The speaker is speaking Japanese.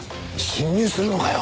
侵入するのかよ。